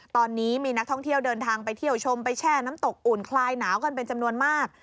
ตอนนี้มีนักท่องเที่ยวเดินทางไปเที่ยวชมไปแช่น้ำตกอุ่นคลายหนาวกันเป็นจำนวนมาก